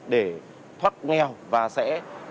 để thoát nghèo và sẽ